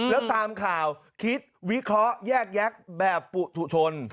แล้วตามข่าวคิดวิเคราะห์แยกแยะแบบปุธุชน